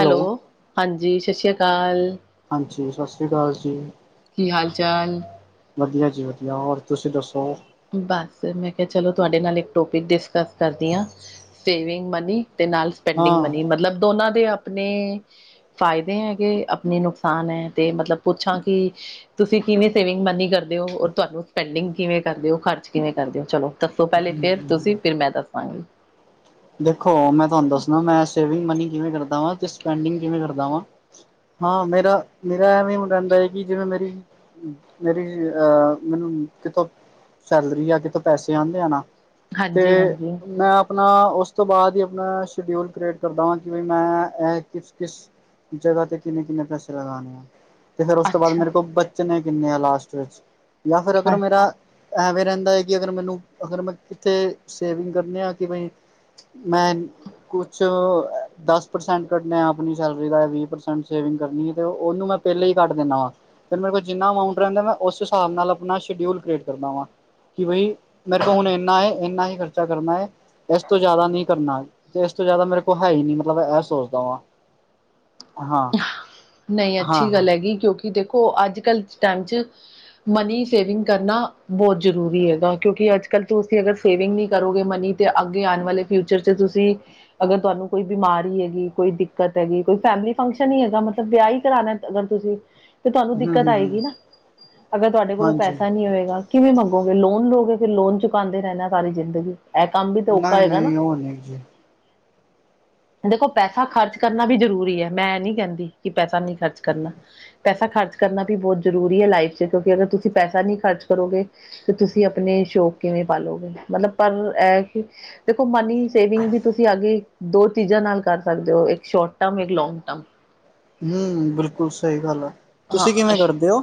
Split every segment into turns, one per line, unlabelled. Hello ਹਾਂਜੀ ਸਤਿ ਸ਼੍ਰੀ ਅਕਾਲ।
ਹਾਂਜੀ ਸਤਿ ਸ਼੍ਰੀ ਅਕਾਲ ਜੀ।
ਕੀ ਹਾਲ ਚਾਲ।
ਵਧੀਆ ਜੀ ਵਧੀਆ ਹੋਰ ਤੁਸੀਂ ਦੱਸੋ।
ਬਸ ਮੈਂ ਕਿਹਾ ਚਲੋ ਤੁਹਾਡੇ ਨਾਲ ਇੱਕ ਟੋਪਿਕ ਡਿਸਕਸ ਕਰਦੀ ਹਾਂ। ਸੇਵਿੰਗ ਮਨੀ ਤੇ ਨਾਲ ਸਪੈਂਡਿੰਗ
ਹਾਂ
ਮਨੀ ਮਤਲਬ ਦੋਨਾਂ ਦੇ ਆਪਣੇ। ਫ਼ਾਇਦੇ ਹੈਗੇ ਆਪਣੇ ਨੁਕਸਾਨ ਹੈ ਤੇ ਮਤਲਬ ਪੁੱਛਾ ਕਿ। ਤੁਸੀਂ ਕਿਵੇਂ ਸੇਵਿੰਗ ਮਨੀ ਕਰਦੇ ਹੋ ਔਰ ਤੁਹਾਨੂੰ ਸਪੈਂਡਿੰਗ ਕਿਵੇਂ। ਕਰਦੇ ਹੋ ਖਰਚ ਕਿਵੇਂ ਕਰਦੇ ਹੋ ਚਲੋ ਦੱਸੋ ਪਹਿਲੇ ਫਿਰ ਤੁਸੀਂ ਫਿਰ ਮੈਂ ਦੱਸਾਂਗੀ।
ਦੇਖੋ ਮੈਂ ਤੁਹਾਨੂੰ ਦੱਸਣਾ ਮੈਂ ਸੇਵਿੰਗ ਮਨੀ ਕਿਵੇਂ ਕਰਦਾ ਵਾਂ ਤੇ ਸਪਡਿੰਗ ਕਿਵੇਂ ਕਰਦਾ ਵਾਂ। ਹਾਂ ਮੇਰਾ ਮੇਰਾ ਐਵੇ ਹੀ ਹੋ ਰਹਿੰਦਾ ਹੈ ਕਿ ਜਿਵੇਂ ਮੇਰੀ ਮੇਰੀ ਅਹ ਮੈਨੂੰ ਕਿਥੋਂ ਸੈਲਰੀ ਆ ਕਿਥੋਂ ਪੈਸੇ ਆਂਦੇ ਆ ਨਾ। ਤੇ
ਹਾਂਜੀ ਹਾਂਜੀ
ਮੈਂ ਆਪਣਾ ਉਸ। ਉਸ ਤੋਂ ਬਾਅਦ ਹੀ ਆਪਣਾ ਸ਼ਡਿਊਲ ਕ੍ਰੀਏਟ ਕਰਦਾ ਵਾਂ ਕਿ ਮੈਂ ਇਹ ਕਿਸ ਕਿਸ। ਜਗ੍ਹਾ ਤੇ ਕਿੰਨੇ ਕਿੰਨੇ ਪੈਸੇ ਲਗਾਣੇ ਆ। ਤੇ ਫੇਰ ਉਸ ਤੋਂ ਬਾਅਦ ਮੇਰੇ
ਅੱਛਾ
ਕੋਲ ਬੱਚਨ ਨੇ ਕਿੰਨੇ ਆ ਲਾਸਟ ਚ, ਜਾਂ ਫਿਰ ਅਗਰ
ਹਾਂ
ਮੇਰਾ ਐਵੇਂ ਰਹਿੰਦਾ ਐ ਕਿ ਅਗਰ ਮੈਨੂੰ ਅਗਰ ਮੈਂ ਕਿੱਥੇ ਸੇਵਿੰਗ ਕਰਨੀ ਆ ਕਿਵੇ ਮੈਂ ਕੁਛ ਦਸ ਪ੍ਰਸੈਂਟ ਕੱਢਣੇ ਆਪਣੀ ਸੈਲਰੀ ਦਾ ਵੀਹ ਪ੍ਰਸੈਂਟ ਸੇਵਿੰਗ ਕਰਨੀ ਐ ਤੇ ਉਹਨੂੰ ਮੈਂ ਪਹਿਲੇ ਈ ਕੱਟ ਦਿੰਨਾ ਵਾ, ਫਿਰ ਮੇਰੇ ਕੋਲ ਜਿੰਨਾ ਅਮਾਊਂਟ ਰਹਿੰਦਾ ਮੈਂ ਉਸ ਹਿਸਾਬ ਨਾਲ ਆਪਣਾ ਸ਼ਡਿਊਲ ਕ੍ਰੀਏਟ ਕਰਦਾ ਵਾਂ। ਕਿ ਬਾਈ ਮੇਰੇ ਕੋਲ ਹੁਣ ਇੰਨਾ ਐ ਇੰਨਾ ਈ ਖਰਚਾ ਕਰਨਾ ਹੈ। ਇਸ ਤੋਂ ਜ਼ਿਆਦਾ ਨੀ ਕਰਨਾ, ਤੇ ਇਸ ਤੋਂ ਜ਼ਿਆਦਾ ਮੇਰੇ ਕੋਲ ਹੈ ਈ ਨੀ ਮਤਲਬ ਇਹ ਸੋਚਦਾ ਵਾਂ। ਹਾਂ,
ਨਹੀਂ
ਹਾਂ
ਅੱਛੀ
ਹਾਂ
ਗੱਲ ਹੈਗੀ ਕਿਉਂਕਿ ਦੇਖੋ ਅੱਜ ਕੱਲ੍ਹ ਟਾਈਮ ਚ ਮਨੀ ਸੇਵਿੰਗ ਕਰਨਾ ਬਹੁਤ ਜ਼ਰੂਰੀ ਹੈਗਾ ਕਿਉਂਕਿ ਅੱਜ ਕੱਲ੍ਹ ਤੁਸੀਂ ਅਗਰ ਸੇਵਿੰਗ ਨਹੀਂ ਕਰੋਗੇ ਮਨੀ। ਤੇ ਅੱਗੇ ਆਣ ਵਾਲੇ ਫਿਊਚਰ ਚ ਤੁਸੀਂ ਅਗਰ ਤੁਹਾਨੂੰ ਕੋਈ ਬਿਮਾਰੀ ਹੈਗੀ ਕੋਈ ਦਿੱਕਤ ਹੈਗੀ ਕੋਈ ਫੈਮਿਲੀ ਫੰਕਸ਼ਨ ਈ ਹੈਗਾ ਮਤਲਬ ਵਿਆਹ ਈ ਕਰਾਣਾ ਅਗਰ ਤੁਸੀਂ ਤੇ ਤੁਹਾਨੂੰ
ਹੂੰ
ਦਿੱਕਤ
ਹੂੰ ਹੂੰ
ਆਏਗੀ ਨਾ, ਅਗਰ ਤੁਹਾਡੇ ਕੋਲੋਂ
ਹਾਂਜੀ
ਪੈਸਾ ਨਈ ਹੋਏਗਾ। ਕਿਵੇਂ ਮੰਗੋਗੇ ਲੋਨ ਲਓ ਗਏ ਕਿ ਲੋਨ ਚੁਕਾਉਂਦੇ ਰਹਿਣਾ ਸਾਰੀ ਜ਼ਿੰਦਗੀ ਇਹ ਕੰਮ ਵੀ ਤਾਂ ਔਖਾ
ਨਹੀਂ
ਹੈਗਾ ਨਾ।
ਨਹੀਂ ਉਹ ਨਹੀਂ ਜੀ
ਦੇਖੋ ਪੈਸਾ ਖ਼ਰਚ ਕਰਨਾ ਵੀ ਜ਼ਰੂਰੀ ਐ ਮੈਂ ਇਹ ਨੀ ਕਹਿੰਦੀ ਕਿ ਪੈਸਾ ਨੀ ਖਰਚ ਕਰਨਾ। ਪੈਸਾ ਖਰਚ ਕਰਨਾ ਵੀ ਬਹੁਤ ਜ਼ਰੂਰੀ ਐ ਲਾਈਫ 'ਚ ਕਿਉਂਕਿ ਅਗਰ ਤੁਸੀਂ ਪੈਸਾ ਨਹੀਂ ਖਰਚ ਕਰੋਗੇ। ਕਿ ਤੁਸੀਂ ਆਪਣੇ ਸ਼ੌਕ ਕਿਵੇਂ ਪਾਲੋਗੇ ਮਤਲਬ ਪਰ ਇਹ ਕਿ ਦੇਖੋ ਮਨੀ ਸੇਵਿੰਗ ਵੀ ਤੁਸੀਂ ਅਗੇ ਦੋ ਚੀਜ਼ਾਂ ਨਾਲ ਕਰ ਸਕਦੇ ਔ ਇੱਕ ਸ਼ੋਰਟ ਟਰਮ ਇੱਕ ਲੌਗ ਟਰਮ।
ਹੂੰ ਬਿਲਕੁਲ ਸਹੀ ਗੱਲ ਆ, ਤੁਸੀਂ
ਹਾਂ
ਕਿਵੇਂ
ਸ਼
ਕਰਦੇ ਔ?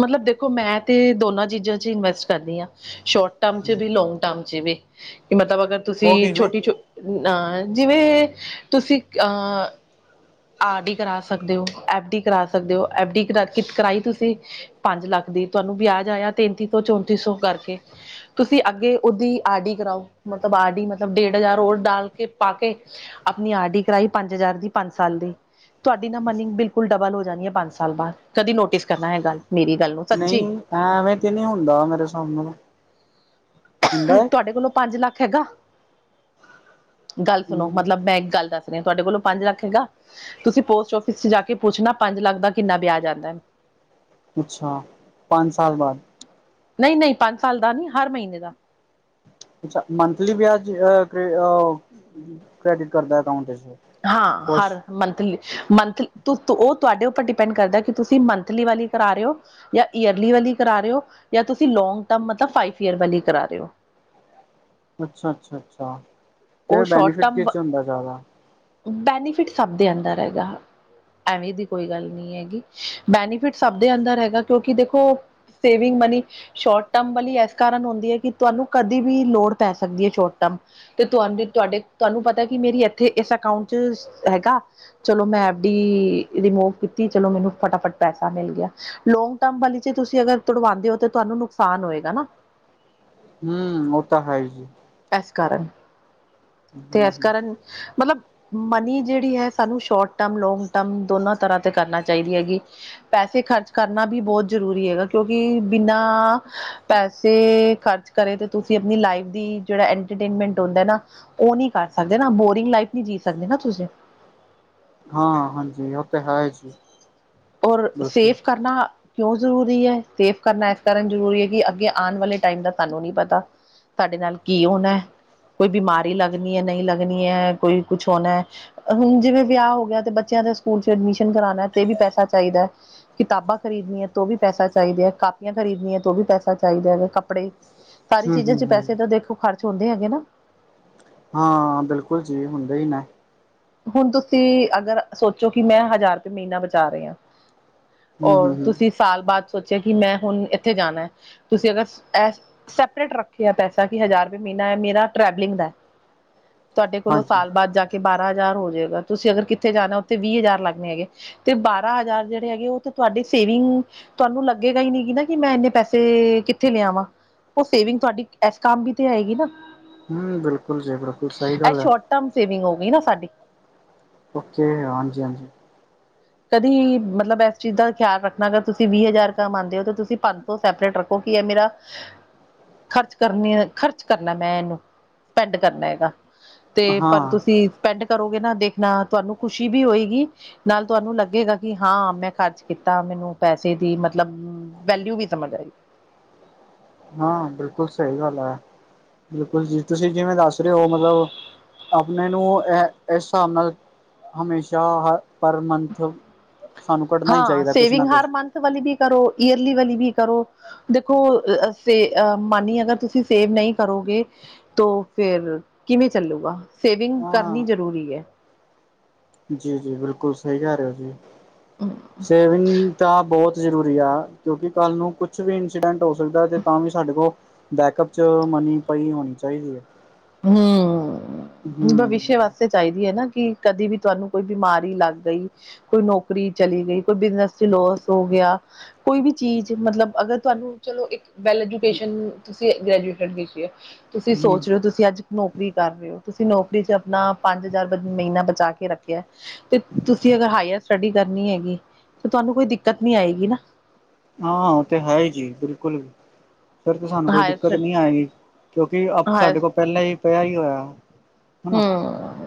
ਮਤਲਬ ਦੇਖੋ ਮੈਂ ਤੇ ਦੋਨਾਂ ਚੀਜ਼ਾਂ ਚ ਇਨਵੈਸਟ ਕਰਦੀ ਆ ਸ਼ੋਰਟ ਟਰਮ ਚ ਵੀ ਲੋਂਗ ਟਰਮ ਜਿਵੇ, ਕਿ ਮਤਲਬ ਅਗਰ
ਉਹ
ਤੁਸੀਂ
ਕਿਵੇਂ
ਛੋਟੀ ਛੋਟ ਅ ਜਿਵੇਂ ਤੁਸੀਂ ਅ ਆਰ ਡੀ ਕਰਾ ਸਕ ਸਕਦੇ ਹੋ ਐਫ ਡੀ ਕਰਾ ਸਕਦੇ ਔ ਐਫ ਡੀ ਕਰਾਈ ਤੁਸੀਂ ਪੰਜ ਲੱਖ ਦੀ ਤੁਹਾਨੂੰ ਵਿਆਜ ਆਇਆ ਤੇੈਂਤੀ ਤੋ ਚੌਂਤੀ ਸੌ ਕਰਕੇ। ਤੁਸੀਂ ਅੱਗੇ ਉਹਦੀ ਆਡੀ ਕਰਾਓ ਮਤਲਬ ਆਡੀ ਮਤਲਬ ਡੇਢ ਹਜ਼ਾਰ ਡਾਲ ਕੇ ਪਾ ਕੇ ਆਪਣੀ ਆਰ ਡੀ ਕਰਾਈ ਪੰਜ ਹਜ਼ਾਰ ਦੀ ਪੰਜ ਸਾਲ ਦੀ ਤੁਹਾਡੀ ਨਾ ਮਨਿੰਗ ਬਿਲਕੁਲ ਡਬਲ ਹੋ ਜਾਣੀ ਐ ਪੰਜ ਸਾਲ ਬਾਦ ਕਦੀ ਨੋਟਿਸ ਕਰਨਾ ਏ ਗੱਲ। ਮੇਰੀ ਗੱਲ ਨੂੰ
ਨਈ
ਸੱਚੀ
ਐ ਐਵੇਂ ਤੇ ਨਹੀਂ ਹੁੰਦਾ ਮੇਰੇ ਸਾਹਬ ਨਾਲ। ਹੁੰਦਾ ਹੈ
ਤੁਹਾਡੇ ਕੋਲੋਂ ਪੰਜ ਲੱਖ ਹੈਗਾ? ਗੱਲ ਸੁਣੋ
ਹਮ
ਮਤਲਬ ਮੈਂ ਇੱਕ ਗੱਲ ਦੱਸ ਰੀ ਤੁਹਾਡੇ ਕੋਲੋਂ ਪੰਜ ਲੱਖ ਹੈਗਾ, ਤੁਸੀਂ ਪੋਸਟ ਆਫਿਸ ਜਾ ਕੇ ਪੁੱਛਣਾ ਪੰਜ ਲੱਖ ਦਾ ਕਿੰਨਾ ਵਿਆਜ ਆਦਾ।
ਅੱਛਾ, ਪੰਜ ਸਾਲ ਬਾਦ
ਨਈ-ਨਈ ਪੰਜ ਸਾਲ ਦਾ ਨੀ ਹਰ ਮਹੀਨੇ ਦਾ।
ਅੱਛਾ ਮੰਥਲੀ ਵਿਆਜ ਅ ਕ੍ਰੇਡਿਟ ਕਰਦਾ ਅਕਾਊਂਟ
ਹਾਂ ਹਰ
ਪੋਸਟ
ਮੰਥਲੀ ਮੰਥਲੀ ਉਹ ਤੁਹਾਡੇ ਉੱਪਰ ਡਿਪੈਂਡ ਕਰਦਾ ਕਿ ਤੁਸੀਂ ਮੰਥਲੀ ਵਾਲੀ ਕਰਾ ਰੇ ਔ ਜਾਂ ਈਅਰਲੀ ਵਾਲੀ ਕਰਾ ਰਹੇ ਔ ਜਾਂ ਤੁਸੀਂ ਲੋਂਂਗ ਟਰਮ ਮਤਲਬ ਫਾਈਵ ਈਅਰ ਵਾਲੀ ਕਰਾ ਰੇ ਔ।
ਅੱਛਾ ਅੱਛਾ ਅੱਛਾ,
ਉਹ
ਤੇ
ਸ਼ੋਰਟ
ਬੈਨੀਫਿਟ
ਟਰਮ,
ਕਿਸ ਚ ਹੁੰਦਾ ਜ਼ਿਆਦਾ
ਬੈਨੀਫਿਟ ਸਭ ਦੇ ਅੰਦਰ ਹੈਗਾ। ਐਵੇਂ ਦੀ ਕੋਈ ਗੱਲ ਨੀ ਹੈਗੀ ਬੈਨੀਫਿਟ ਸਭ ਦੇ ਅੰਦਰ ਹੈਗਾ ਕਿਉਂਕਿ ਦੇਖੋ ਸੇਵਿੰਗ ਮਨੀ ਸ਼ੋਰਟ ਟਰਮ ਵਾਲੀ ਇਸ ਕਾਰਨ ਹੁੰਦੀ ਐ ਕਿ ਤੁਹਾਨੂੰ ਕਦੇ ਵੀ ਲੋੜ ਪੈ ਸਕਦੀ ਐ ਸ਼ੋਰਟ ਟਰਮ ਤੇ ਤੁ ਤੁਹਾਡੇ ਤੁਹਾਨੂੰ ਪਤਾ ਕਿ ਮੇਰੀ ਇੱਥੇ ਇਸ ਅਕਾਊਂਟ ਚ ਹੈਗਾ। ਚਲੋ ਮੈਂ ਐਫ- ਡੀ ਰਿਮੂਵ ਕੀਤੀ ਚਲੋ ਮੈਨੂੰ ਫਟਾਫਟ ਪੈਸਾ ਮਿਲ ਗਿਆ। ਲੌਗ ਟਰਮ ਵਾਲੀ ਚ ਤੁਸੀਂ ਅਗਰ ਤੁੜਵਾਉਂਦੇ ਹੋ ਤਾਂ ਤੁਹਾਨੂੰ ਨੁਕਸਾਨ ਹੋਏਗਾ ਨਾ।
ਹੂੰ ਉਹ ਤਾਂ ਹੈ ਜੀ।
ਏਸ ਕਾਰਨ, ਤੇ ਏਸ ਕਿਰਨ ਮਤਲਬ। ਮਨੀ ਜਿਹੜੀ ਐ ਸਾਨੂੰ ਸ਼ੋਰਟ ਟਰਮ ਲੋਂਗ ਟਰਮ ਦੋਨਾਂ ਤਰ੍ਹਾਂ ਤੇ ਕਰਨਾ ਚਾਹੀਦੀ ਹੈਗੀ। ਪੈਸੇ ਖਰਚ ਕਰਨਾ ਵੀ ਬਹੁਤ ਜ਼ਰੂਰੀ ਹੈਗਾ ਕਿਉਂਕਿ ਬਿਨਾਂ ਪੈਸੇ ਖਰਚ ਕਰੇ ਤੇ ਤੁਸੀਂ ਆਪਣੀ ਲਾਈਫ ਦੀ ਜਿਹੜਾ ਏਟਰਟੇਮਟ ਹੂੰਦਾ ਨਾ ਉਹ ਨੀ ਕਰ ਸਕਦੇ ਨਾ ਬੋਰਿੰਗ ਲਾਈਫ ਨੀ ਜੀ ਸਕਦੇ ਨਾ ਤੁਸੀਂ।
ਹਾਂ ਹਾਂਜੀ ਉਹ ਤਾਂ ਹੈ ਜੀ।
ਔਰ
ਬਿਲਕੁਲ
ਸੇਫ ਕਰਨਾ ਕਿਉਂ ਜ਼ਰੂਰੀ ਐ ਸੇਫ ਕਰਨਾ ਇਸ ਕਾਰਨ ਜ਼ਰੂਰੀ ਐ ਕਿ ਅੱਗੇ ਆਣ ਵਾਲੇ ਟਾਈਮ ਦਾ ਤੁਹਾਨੂੰ ਨੀ ਪਤਾ। ਤੁਹਾਡੇ ਨਾਲ ਕੀ ਹੋਣਾ, ਕੋਈ ਬਿਮਾਰੀ ਲੱਗਣੀ ਐ ਨਈ ਲੱਗਣੀ ਐ ਕੋਈ ਕੁਛ ਹੋਣਾ। ਹੁਣ ਜਿਵੇਂ ਵਿਆਹ ਹੋ ਗਿਆ ਤੇ ਬੱਚਿਆਂ ਦੇ ਸਕੂਲ ਚ ਐਡਮਿਸ਼ਨ ਕਰਾਣਾ ਤੇ ਵੀ ਪੈਸਾ ਚਾਹੀਦਾ ਐ। ਕਿਤਾਬਾਂ ਖਰੀਦਣੀਆਂ ਤੋ ਵੀ ਪੈਸਾ ਚਾਹੀਦਾ ਹੈ, ਕਾਪੀਆਂ ਖਰੀਦਣੀਆਂ ਤੋ ਵੀ ਪੈਸਾ ਚਾਹੀਦਾ ਐ, ਕੱਪੜੇ ਸਾਰੀ
ਹਮ
ਚੀਜ਼ਾਂ
ਹਮ
ਚ ਪੈਸੇ
ਹਮ
ਤਾਂ ਦੇਖੋ ਖਰਚ ਹੁੰਦੇ ਹੈਗੇ ਨਾ।
ਹਾਂ ਬਿਲਕੁਲ ਜੀ ਹੁੰਦੇ ਈ ਨਾ
ਹੁਨ ਤੁਸੀਂ ਅਗਰ ਸੋਚੋ ਕਿ ਮੈਂ ਹਜ਼ਾਰ ਰੁਪਏ ਮਹੀਨਾ ਬਚਾ ਰੇਯਾ ਆ
ਹਮ
ਔਰ
ਹਮ ਹਮ
ਤੁਸੀਂ ਸਾਲ ਬਾਅਦ ਸੋਚਿਆ ਕਿ ਮੈਂ ਹੁਣ ਇੱਥੇ ਜਾਣਾ ਹੈ ਤੁਸੀਂ ਅਗਰ ਇਹ ਸੈਪਰੇਟ ਰੱਖਿਆ ਪੈਸਾ ਕਿ ਹਜ਼ਾਰ ਰੁਪਏ ਮਹੀਨਾ ਐ ਮੇਰਾ ਟਰੈਵਲਿੰਗ ਦਾ ਹੈ ਤੁਹਾਡੇ ਕੋਲੋਂ
ਹਾਂਜੀ
ਸਾਲ ਬਾਅਦ ਜਾ ਕੇ ਬਾਰਾਂ ਹਜ਼ਾਰ ਹੋ ਜੇਗਾ ਤੁਸੀਂ ਅਗਰ ਕਿੱਥੇ ਜਾਨਾ ਉੱਥੇ ਵੀਹ ਹਜ਼ਾਰ ਲੱਗਣੇ ਹੈਗੇ ਤੇ ਬਾਰਾਂ ਹਜ਼ਾਰ ਜਿਹੜੇ ਹੈਗੇ ਉਹ ਤੇ ਤੁਹਾਡੇ ਸੇਵਿੰਗ ਤੁਹਾਨੂੰ ਲੱਗੇਗਾ ਹੀ ਨੀ ਕਿ ਨਾ ਕਿ ਮੈਂ ਇੰਨੇ ਪੈਸੇ ਕਿੱਥੇ ਲਿਆਵਾਂ। ਉਹ ਸੇਵਿੰਗ ਤੁਹਾਡੀ ਏਸ ਕੰਮ ਵੀ ਤੇ ਆਏਗੀ ਨਾ
ਹੂੰ ਬਿਲਕੁਲ ਜੀ, ਬਿਲਕੁਲ ਸਹੀ ਗੱਲ ਐ
ਕਮ ਸੇਵਿੰਗ ਹੋ ਗਈ ਨਾ ਸਾਡੀ
ਓਕੇ, ਹਾਂਜੀ-ਹਾਂਜੀ
ਕਦੀ ਮਤਲਬ ਇਸ ਚੀਜ਼ ਦਾ ਖਿਆਲ ਰੱਖਣਾ, ਅਗਰ ਤੁਸੀਂ ਵੀਹ ਹਜ਼ਾਰ ਕਮਾਉਂਦੇ ਹੋ, ਤਾਂ ਤੁਸੀਂ ਪੰਜ ਸੌ ਸੈਪਰੇਟ ਰੱਖੋ ਕੀ ਐ ਮੇਰਾ ਖਰਚ ਕਰਨੀ, ਖਰਚ ਕਰਨਾ ਮੈਂ ਇਹਨੂੰ ਸਪੈਂਡ ਕਰਨਾ ਹੈਗਾ ਤੇ ਪਰ
ਹਾਂ
ਤੁਸੀਂ ਸਪੈਂਡ ਕਰੋਗੇ ਨਾ ਦੇਖਨਾ ਤੁਹਾਨੂੰ ਖੁਸ਼ੀ ਵੀ ਹੋਏਗੀ ਨਾਲ ਤੁਹਾਨੂੰ ਲੱਗੇਗਾ ਕਿ ਹਾਂ ਮੈਂ ਖਰਚ ਕੀਤਾ, ਮੈਨੂੰ ਪੈਸੇ ਦੀ ਮਤਲਬ ਵੈਲਿਊ ਵੀ ਸਮਝ ਆਈ
ਹਾਂ, ਬਿਲਕੁਲ ਸਈ ਗੱਲ ਐ, ਬਿਲਕੁਲ ਜੀ ਤੁਸੀਂ ਜਿਵੇਂ ਦੱਸ ਰਹੇ ਔ ਮਤਲਬ ਆਪਨੇ ਨੂੰ ਇਹ ਇਸ ਹਿਸਾਬ ਨਾਲ ਹਮੇਸ਼ਾ ਹ ਪਰ ਮੰਥ ਸਾਨੂੰ ਕੱਢਣਾ ਈ
ਹਾਂ
ਚਾਈਦਾ ਕੁਛ
ਸੇਵਿੰਗ
ਨਾ
ਹਰ
ਕੁਛ।
ਮੰਥ ਵਾਲੀ ਵੀ ਕਰੋ, ਈਅਰਲੀ ਵਾਲੀ ਵੀ ਕਰੋ ਦੇਖੋ, ਅਸੇ ਅਹ ਮਾਨੀ ਅਗਰ ਤੁਸੀਂ ਸੇਵ ਨਹੀਂ ਕਰੋਗੇ ਤੋ ਫੇਰ ਕਿਵੇਂ ਚੱਲੂਗਾ ਸੇਵਿੰਗ
ਹਾਂ
ਕਰਨੀ ਜ਼ਰੂਰੀ ਐ।
ਜੀ -ਜੀ ਬਿਲਕੁਲ ਸਹੀ ਕਰ ਰਹੇ ਔ ਜੀ ਸੇਵਿੰਗ ਤਾਂ ਬਹੁਤ ਜ਼ਰੂਰੀ ਆ, ਕਿਉਂਕਿ ਕੱਲ੍ਹ ਨੂੰ ਕੁਛ ਵੀ ਇੰਸੀਡੈਂਟ ਹੋ ਸਕਦਾ ਅਤੇ ਤਾਂ ਵੀ ਸਾਡੇ ਕੋਲ ਬੈਕਅਪ ਚ ਮਨੀ ਪਈ ਹੋਨੀ ਚਾਹੀਦੀ ਐ
ਹੰ ਭਵਿਸ਼ ਵਾਸਤੇ ਚਾਹੀਦੀ ਐ ਨਾ, ਕਿ ਕਦੇ ਵੀ ਤੁਹਾਨੂੰ ਕੋਈ ਬਿਮਾਰੀ ਲੱਗ ਗਈ ਕੋਈ ਨੌਕਰੀ ਚਲੀ ਗਈ ਕੋਈ ਬਿਜਨਸ ਚ ਲੋਸ ਹੋ ਗਿਆ ਕੋਈ ਵੀ ਚੀਜ਼, ਮਤਲਬ ਅਗਰ ਤੁਹਾਨੂੰ ਚਲੋ ਇੱਕ ਵੈਲਿਡੇਸ਼ਨ ਤੁਸੀ, ਤੁਸੀਂ
ਹਮ
ਸੋਚ ਰਹੇ ਹੋ, ਤੁਸੀ ਤੁਸੀਂ ਅੱਜ ਨੌਕਰੀ ਕਰ ਰਹੇ ਹੋ, ਤੁਸੀਂ ਨੌਕਰੀ ' ਚ ਆਪਣਾਂ ਪੰਜ ਹਜ਼ਾਰ ਮਹੀਨਾਂ ਬਚਾ ਕੇ ਰੱਖਿਆ। ਤੇ ਤੁਸੀਂ ਅਗਰ ਹਾਇਰ ਸਟੱਡੀ ਕਰਨੀ ਹੈਗੀ, ਤੇ ਤੁਹਾਂਨੂੰ ਕੋਈ ਦਿੱਕਤ ਨੀਂ ਆਏਂਗੀ ਨਾ।
ਹਾਂ ਉਹ ਤੇ ਹੈ ਜੀ ਬਿਲਕੁੱਲ। ਫਿਰ ਤਾਂ ਸਾਨੂੰ ਕੋਈ ਦਿੱਕਤ
ਹਾਇਰ
ਨਹੀਂ ਆਏਗੀ, ਕਿਉਂਕਿ
ਹਾਇਰ
ਸਾਡੇ ਕੋਲ ਪਹਿਲਾਂ ਹੀ ਪਿਆ ਹੀ ਹੋਇਆ। ਹਨਾ
ਹਮ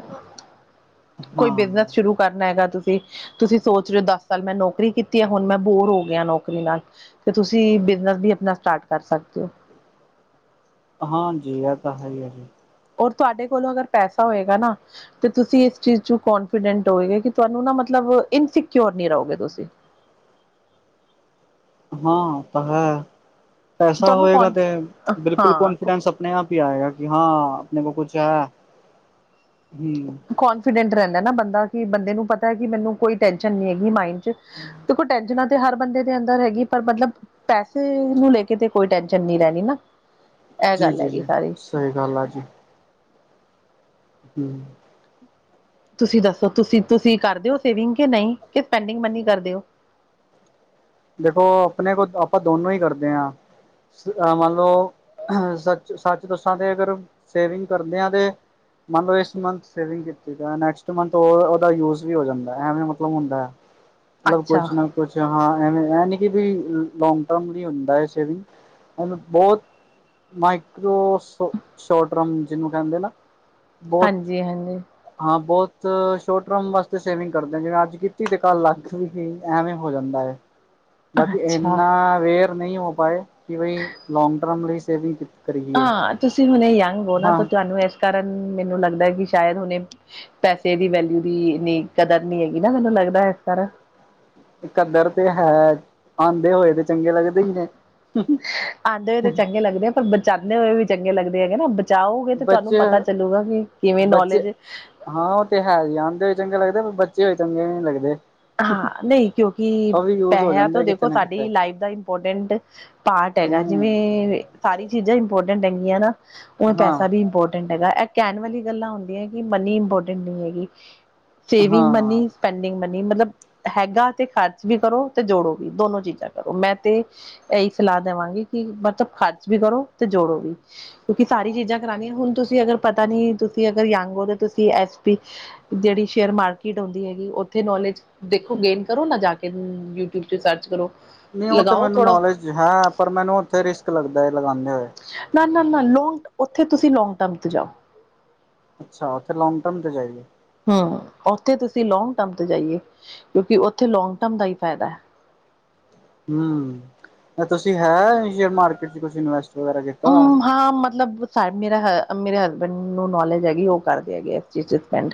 ਕੋਈ
ਹਾਂ
ਬਿਜ਼ਨਸ ਸ਼ੁਰੂ। ਕਰਨਾ ਹੈਗਾ ਤੁਸੀਂ, ਤੁਸੀਂ ਸੋਚ ਰਹੇ ਹੋ ਦਸ ਸਾਲ ਮੈਂ ਨੌਕਰੀ ਕੀਤੀ ਹੈ ਹੁਣ ਮੈਂ ਬੋਰ ਹੋ ਗਿਆ ਨੌਕਰੀ ਨਾਲ਼। ਤੁਸੀਂ ਬਿਜਨਸ ਵੀ ਆਪਣਾ ਸਟਾਰਟ ਕਰ ਸੱਕਦੇ ਹੋ।
ਹਾਂਜੀ, ਇਹ ਤਾਂ ਹੈ ਹੀ ਹੈ ਜੀ।
ਔਰ ਤੁਹਾਡੇ ਕੋਲ਼ ਅਗਰ ਪੈਸਾ ਹੋਏਗਾ ਨਾ। ਤੇ ਤੁਸੀਂ ਇਸ ਚੀਜ਼ ਚ ਕੋਂਨਫੀਡੈਂਟ ਹੋਏਗਾ, ਕਿ ਤੁਹਾਂਨੂੰ ਨਾ ਮੱਤਲਬ ਇਨਸਿਕਿਓਰ ਨ ਰਹੋਂਗੇ ਤੁਸੀਂ।
ਹਾਂ, ਤਾਂ ਹੈ ਪੈਸਾਂ
ਤੁਹਾਨੂੰ
ਹੋਏਗਾ
ਕੌਨ
ਤੇ ਬਿਲਕੁੱਲ
ਹਾਂ
ਕਾਨਫੀਡੈਂਸ। ਆਪਣੇ ਆਪ ਹੀ ਆਏਂਗਾ, ਕਿ ਹਾਂ ਆਪਣੇ ਕੋ ਕੁੱਛ ਹੈ, ਹਮ।
ਕੋਂਨਫੀਡੈਂਟ ਰਹਿੰਦਾਂ ਨਾ ਬੰਦਾਂ ਕਿ ਬੰਦੇ ਨੂੰ ਪਤਾਂ ਹੈਂ, ਕਿ ਮੈਂਨੂੰ ਕੋਈ ਟੈਨਸ਼ਨ ਨੀ ਹੈਗੀ, ਮਾਈਂਡ। ਚ ਦੇਖੋਂ ਟੈਨਸ਼ਨਾਂ ਤੇ ਹਰ ਬੰਦੇ ਦੇ ਅੰਦਰ ਹੈਗੀ, ਪਰ ਮਤਲਬ। ਪੈਸੇ ਨੂੰ ਲ਼ੈ ਕੇ ਤੇ ਕੋਈ ਟੈਸ਼ਨ ਨਹੀਂ ਰਹਿਣੀ ਨਾ। ਇਹ
ਜੀ
ਗੱਲ
-ਜੀ
ਹੈਗੀ
-ਜੀ
ਸਾਰੀ
ਸਹੀ ਗੱਲ ਆ ਜੀ। ਹਮ।
ਤੁਸੀਂ ਦੱਸੋ, ਤੁਸੀਂ -ਤੁਸੀਂ ਕਰਦੇਂ ਓ ਸੇਵਿੰਗ ਕਿ ਨਹੀਂ ਕਿ ਪੈਂਡਿੰਗ ਮੰਨੀ ਕਰਦੇਂ ਓ।
ਦੇਖੋਂ ਆਪਣੇਂ ਕੋ ਆਪਾਂ ਦੋਨੋ ਹੀ ਕਰਦੇ ਆ। ਮੰਨ ਲਓ ਸੱਚ -ਸੱਚ ਦੱਸਾਂ ਤੇ ਅਗਰ ਸੇਵਿੰਗ ਕਰਦੇ ਆ ਤੇ। ਮਨਲੋ ਇਸ ਮੰਥ ਸੇਵਿੰਗ ਕੀਤੀ ਨੈਕਸਟ ਮੰਥ ਉਹਦਾ ਯੂਜ ਵੀ ਹੋ ਜਾਂਦਾ, ਐਵੇਂ ਮਤਲਬ ਹੁੰਦਾ ਹੈ। ਮਤਲਬ
ਅੱਛਾ
ਕੁੱਛ ਨਾ ਕੁੱਛ ਹਾਂ। ਐਂਵੇ ਇਹ ਨੀ ਕਿ ਬਈ ਲੋਂਗ ਟਰਮ ਲਈ ਹੁੰਦਾ ਹੈ ਸੇਵਿੰਗ ਵੇ ਹੁਣ ਬਹੁਤ। ਮਾਈਕ੍ਰੋ ਸ਼ੋਟਰਮ ਜਿਹਨੂੰ ਕਹਿੰਦੇ ਨਾ। ਬਹੁਤ
ਹਾਂਜੀ -ਹਾਂਜੀ।
ਹਾਂ, ਬਹੁਤ ਸ਼ੋਰਟ ਟਰਮ ਵਾਸਤੇ ਸੇਵਿੰਗ ਕਰਦੇ ਆ, ਜਿਵੇਂ ਅੱਜ਼ ਕੀਤੀ ਤੇ ਕੱਲ ਲੱਗ ਵੀ ਗਈ ਐਵੇਂ ਹੋਂ ਜਾਂਦਾ ਏਂ। ਬਾਕੀ
ਅੱਛਾ
ਇੰਨਾਂ ਅਵੇਅਰ ਨਹੀਂ ਹੋ ਪਾਏ, ਕਿ ਬਈ ਲੋਂਗ ਟਰਮ ਲਈ ਸੇਵਿੰਗ ਕੀਤ।
ਹਾਂ ਤੁਸੀਂ ਹੁਣੇ ਯੰਗ ਹੋ ਨਾ, ਤਾਂ ਤੁਹਾਨੂੰ ਇਸ ਕਾਰਨ ਮੈਂਨੂੰ ਲੱਗਦਾ ਕਿ ਸ਼ਾਇਦ ਹੁਣੇ। ਪੈਸੇ ਦੀ ਵੈਲਿਊ ਦੀ ਇੰਨੀਂ ਕਦਰ ਨੀ ਹੈਗੀ ਨਾ, ਮੈਂਨੂੰ ਲੱਗਦਾ ਇਸ ਤਰ੍ਹਾਂ।
ਕੱਦਰ ਤੇ ਹੈ, ਆਂਦੇ ਹੋਏ ਤੇ ਚੰਗੇ ਲੱਗਦੇ ਹੀ ਨੇਂ।
ਆਂਦੇ ਹੋਏ ਤਾਂ ਚੰਗੇ ਲੱਗਦੇ ਆ, ਪਰ ਬਚਾਂਦੇ ਹੋਏ ਵੀ ਚੰਗੇ ਲੱਗਦੇ ਹੈਗੇ ਨਾ। ਚਾਓਗੇ ਤੇ ਤੁਹਾਂਨੂੰ
ਬੱਚੇ
ਪਤਾ ਚੱਲੂਗਾ, ਕਿ ਕਿਵੇਂ
ਬੱਚੇ
ਨੌਲੇਜ।
ਹਾਂ ਉਹ ਤੇ ਹੈ ਹੀ ਆਂਦੇ ਹੋਏ ਚੰਗੇ ਲੱਗਦੇ, ਬੱਚੇ ਹੋਏ ਚੰਗੇ ਨੀਂ ਲੱਗਦੇ।
ਹਾਂ ਨਹੀਂ ਕਿਉਂਕਿ
ਉਹ ਵੀ ਯੂਜ ਹੋ
ਪੈਹਿਆ ਤੋਂ
ਜਾਂਦੇ ਕਿਤੇ
ਦੇਖੋਂ
ਨਾ ਕਿਤੇ
ਸਾਡੀ ਲਾਈਫ ਦਾ ਇੰਪੋਰਟੈਂਟ। ਪਾਰਟ ਹੈਗਾ
ਹਮ
ਜਿਵੇਂ ਸਾਰੀ ਚੀਜ਼ਾਂ ਇੰਪੋਰਟੈਂਟ ਹੈਗੀਆਂ ਨਾ, ਉਵੇਂ ਪੈਸਾ
ਹਾਂ
ਵੀ ਇੰਪੋਰਟ। ਇਹ ਕਹਿਣ ਵਾਲੀ ਗੱਲਾਂ ਹੁੰਦੀਆਂ ਕਿ ਮਨੀ ਇੰਪੋਰਟੈਂਟ ਨਹੀਂ ਹੈਗੀ, ਸੇਵਿੰਗ
ਹਾਂ
ਮਨੀ। ਸਪੈਂਡਿੰਗ ਮਨੀ, ਮਤਲਬ ਹੈਗਾ ਤੇ ਖਰਚ ਵੀ ਕਰੋ ਤੇ ਜੋੜੋ ਵੀ ਦੋਨੋ ਚੀਜ਼ਾਂ ਕਰੋ ਮੈਂ ਤੇ। ਇਹੀ ਸਲਾਹ ਦਵਾਂਗੀ ਕਿ ਮਤਲਬ ਖਰਚ ਵੀ ਕਰੋ ਤੇ ਜੋੜੋ ਵੀ। ਕਿਉਂਕਿ ਸਾਰੀ ਚੀਜ਼ਾਂ ਕਰਉਣੀਆਂ। ਹੁਣ ਤੁਸੀਂ ਅਗਰ ਪਤਾ ਨੀ ਤੁਸੀਂ ਅਗਰ ਯੰਗ ਦੇ ਤੁਸੀਂ ਐਸ ਪੀ। ਜਿਹੜੀ ਸ਼ੇਅਰ ਮਾਰਕੀਟ ਹੁੰਦੀ ਹੈਗੀ ਉੱਥੇ ਨੌਲੇਜ। ਦੇਖੋਂ ਗੇਨ ਕਰੋ ਨਾ ਜਾ ਕੇ, ਯੂਟਿਊਬ ਚ ਸਰਚ ਕਰੋਂ।
ਨਹੀਂ ਉਹ ਤਾਂ ਮੈਂਨੂੰ ਨੌਲੇਜ ਹੈ, ਪਰ ਮੈਂਨੂੰ ਉੱਥੇ ਰਿਸਕ ਲੱਗਦਾ ਹੈ, ਲਗਾਉਂਦੇ ਹੋਏ‌।
ਨਾ- ਨਾ, ਨਾ ਲੋਂਂਗ ਉੱਥੇ ਤੁਸੀਂ ਲੋਂਂਗ ਟਰਮ ਤੇ ਜਾਓ।
ਅੱਛਾ, ਉੱਥੇ ਲੋਂਗ ਟਰਮ ਤੇ ਜਾਈਏ।
ਹਮ, ਉੱਥੇ ਤੁਸੀਂ ਲੌਂਗ ਟਰਮ ਤੇ ਜਾਈਏ, ਕਿਉਂਕਿ ਉੱਥੇ ਲੌਂਗ ਟਰਮ ਦਾ ਹੀ ਫਾਇਦਾ ਹੈ।
ਹੂੰ, ਤੁਸੀਂ ਹੈ ਸ਼ੇਅਰ ਮਾਰਕੀਟ ਚ ਤੁਸੀ ਇਨਵੈਸਟ ਵਗੈਰਾ ਕੀਤਾ ਹੋਇਆ ਹੈ।
ਹਮ ਹਾਂ ਮਤਲਬ ਸਾਡੇ ਮੇਰਾ ਮੇਰੇ ਹਸਬੈਂਡ ਨੂੰ ਨੌਲੇਜ ਹੈਗੀ ਉਹ ਕਰਦੇ ਹੈਗੇ ਇਸ ਚੀਜ਼ ਚ ਸਪੈਂਡ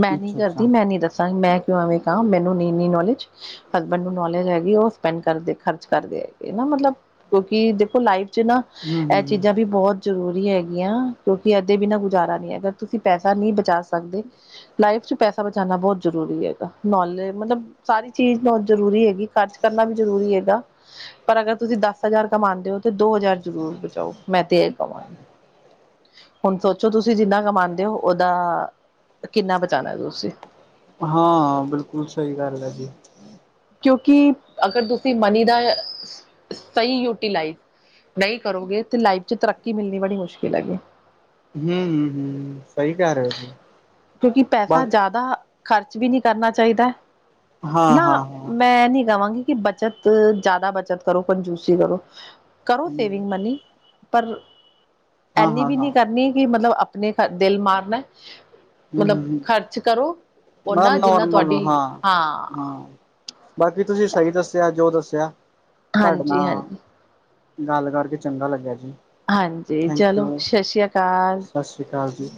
ਮੈਂ ਨੀ
ਅੱਛਾ ਅੱਛਾ
ਕਰਦੀ, ਮੈਂ ਨੀ ਦੱਸਾਂ ਮੈਂ ਕਿਉਂ ਐਵੇਂ ਕਹਾਂ ਮੈਨੂੰ ਨੀ ਇੰਨੀ ਨੌਲੇਜ ਹਸਬੈਂਡ ਨੂੰ ਨੌਲਿਜ ਹੈਗੀ, ਉਹ ਸਪੇੰਡ ਕਰਦੇ, ਖਰਚ ਕਰਦੇ ਹੈਗੇ ਮਤਲਬ ਕਿਉਂਕਿ ਦੇਖੋ ਲਾਈਫ ਚ ਨਾ
ਹੂੰ
ਇਹ
ਹੂੰ
ਚੀਜ਼ਾਂ ਵੀ ਬਹੁਤ ਜ਼ਰੂਰੀ ਹੈਗੀਆਂ ਕਿਉਂਕਿ ਅਦੇੇ ਬਿਨਾਂ ਗੁਜ਼ਾਰਾ ਨਹੀਂ ਹੈਗਾ। ਤੁਸੀਂ ਪੈਸਾ ਨਹੀਂ ਬਚਾ ਸਕਦੇ ਲਾਈਫ ਚ ਪੈਸਾ ਬਚਾਉਣਾ ਬਹੁਤ ਜ਼ਰੂਰੀ ਹੈਗਾ ਨੌਲੇਜ ਮਤਲਬ ਸਾਰੀ ਚੀਜ਼ ਬਹੁਤ ਜ਼ਰੂਰੀ ਹੈਗੀ ਖਰਚ ਕਰਨਾ ਵੀ ਜ਼ਰੂਰੀ ਹੈਗਾ। ਪਰ ਅਗਰ ਤੁਸੀਂ ਦਸ ਹਜ਼ਾਰ ਕਮਾਉਂਦੇ ਹੋ ਤਾਂ ਦੋ ਹਜ਼ਾਰ ਜ਼ਰੂਰ ਜਾਓ ਮੈਂ ਤੇ [unintelligible] ਹੁਣ ਸੋਚੋ ਤੁਸੀਂ ਜਿੰਨਾ ਕਮਾਉਂਦੇ ਹੋ, ਉਹਦਾ ਕਿੰਨਾ ਬਚਾਉਣਾ ਤੁਸੀਂ
ਹਾਂ ਬਿਲਕੁਲ ਸਹੀ ਗੱਲ ਹੈ ਜੀ।
ਕਿਉਂਕਿ ਅਗਰ ਤੁਸੀਂ ਮਨੀ ਦਾ ਸਹੀ ਯੂਟੀਲਾਈਜ਼ ਨਹੀਂ ਕਰੋਗੇ ਤੇ ਲਾਈਫ ਚ ਤਰੱਕੀ ਮਿਲਣੀ ਬੜੀ ਮੁਸ਼ਕਿਲ ਹੈਗੀ
ਹੂੰ -ਹੂੰ ਹੂੰ ਸਹੀ ਕਹਿ ਰਹੇ ਜੀ।
ਕਿਉਂਕਿ ਪੈਸਾ
ਬਸ
ਜ਼ਿਆਦਾ ਖ਼ਰਚ ਵੀ ਨਹੀਂ ਕਰਨਾ ਚਾਹੀਦਾ
ਹਾਂ
ਨਾ
ਹਾਂ ਹਾਂ
ਮੈਂ ਨੀ ਕਵਾਂਗੀ ਕਿ ਬੱਚਤ ਜ਼ਿਆਦਾ ਬੱਚਤ ਕਰੋ ਕੰਜੂਸੀ ਕਰੋ। ਕਰੋ ਸੇਵਿੰਗ ਮਨੀ ਪਰ
ਹਾਂ
ਇਨੀ
ਹਾਂ
ਵੀ
ਹਾਂ
ਨਹੀਂ ਕਰਨੀ ਕਿ ਮਤਲਬ ਆਪਣੇ ਦਿਲ ਮਾਰਨਾ
ਹੂੰ
ਮਤਲਬ
-ਹੂੰ ਹੂੰ
ਖਰਚ ਕਰੋ
ਨਾ
ਓਨਾ ਜਿੰਨਾ
ਨੌਰਮਲ
ਤੁਹਾਡੀ
ਹਾਂ, ਹਾਂ ਬਾਕੀ ਤੁਸੀਂ ਸਹੀ ਦੱਸਿਆ ਜੋ ਦੱਸਿਆ। ਤੁਹਾਡੇ
ਹਾਂਜੀ
ਨਾਲ
ਹਾਂਜੀ
ਗੱਲ ਕਰਕੇ ਚੰਗਾ ਲੱਗਿਆ ਜੀ,
ਹਾਂਜੀ ਚਲੋ
ਥੈਂਕਯੂ,
ਸਤਿ ਸ੍ਰੀ ਅਕਾਲ
ਸਤਿ ਸ਼੍ਰੀ ਅਕਾਲ ਜੀ।